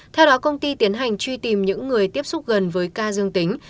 theo đó công ty tiến hành truy tìm những người tiếp xúc gần với ca dương tính